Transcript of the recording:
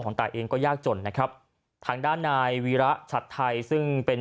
ตายเองก็ยากจนนะครับทางด้านนายวีระชัดไทยซึ่งเป็น